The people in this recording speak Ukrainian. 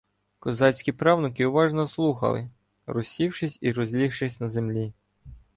Козацькі правнуки уважно слухали, розсівшись і розлігшись на землі.